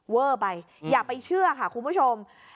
เวอร์ไปอย่าไปเชื่อค่ะคุณผู้ชม